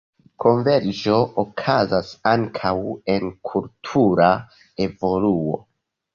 Konverĝo okazas ankaŭ en kultura evoluo.